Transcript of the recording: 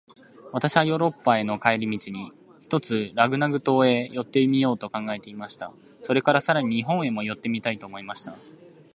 私はヨーロッパへの帰り途に、ひとつラグナグ島へ寄ってみようと考えていました。それから、さらに日本へも寄ってみたいと思いました。